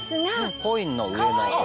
コインの上の。